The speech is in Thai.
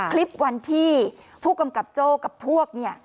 คลิปวันที่ผู้กำกับโจ้กับพวกเนี่ย